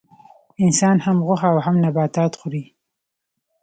انسان هم غوښه او هم نباتات خوري